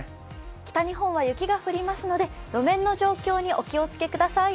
北日本は雪が降りますので路面の状況にお気をつけください。